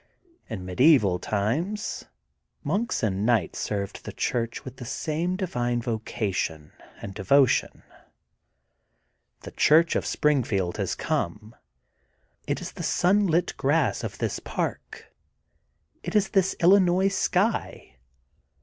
In medieval times monks and knights served the Church with the same divine vocation and devotion. *^The Church of Springfield has come. It is the sunlit grass of this park; it is this Illi nois sky.